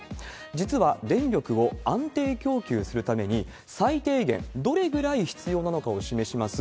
実は電力を安定供給するために、最低限どれぐらい必要なのかを示します